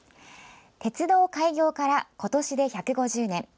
鉄道開業から今年で１５０年。